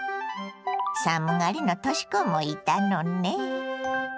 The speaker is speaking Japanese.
寒がりのとし子もいたのね。